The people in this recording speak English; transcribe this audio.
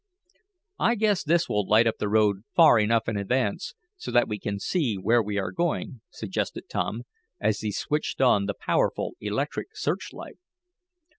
"I guess this will light up the road far enough in advance, so that we can see where we are going," suggested Tom, as he switched on the powerful electric search light.